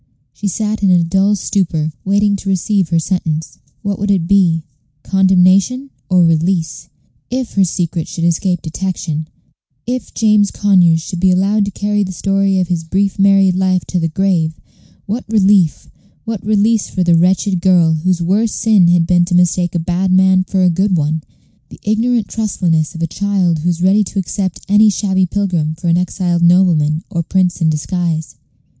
She sat in a dull stupor, waiting to receive her sentence. What would it be? Condemnation or release? If her secret should escape detection if James Conyers should be allowed to carry the story of his brief married life to the grave, what relief, what release for the wretched girl, whose worst sin had been to mistake a bad man for a good one the ignorant trustfulness of a child who is ready to accept any shabby pilgrim for an exiled nobleman or a prince in disguise.